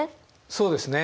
そうですね。